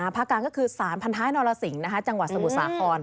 ภาคกลางก็คือสารพันท้ายนรสิงห์จังหวัดสมุทรสาคร